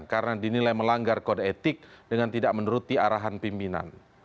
karena dinilai melanggar kode etik dengan tidak menuruti arahan pimpinan